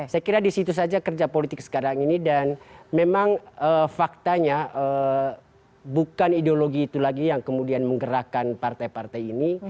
saya kira disitu saja kerja politik sekarang ini dan memang faktanya bukan ideologi itu lagi yang kemudian menggerakkan partai partai ini